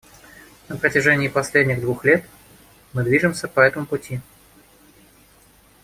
На протяжении последних двух лет мы движемся по этому пути.